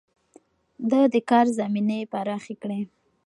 ده د کار زمينې پراخې کړې.